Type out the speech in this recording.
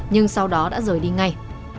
nhưng sau đó đã rời đi ngay